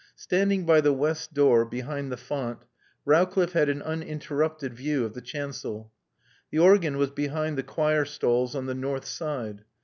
Standing by the west door, behind the font, Rowcliffe had an uninterrupted view of the chancel. The organ was behind the choir stalls on the north side.